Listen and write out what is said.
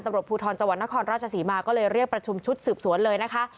ตำรวจภูทรจังหวัดนครราชศรีมาก็เลยเรียกประชุมชุดสืบสวนเลยนะคะ